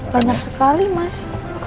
banyak sekali mas